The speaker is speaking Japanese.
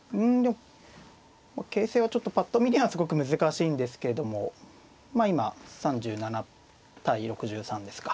ちょっとぱっと見にはすごく難しいんですけれどもまあ今３７対６３ですか。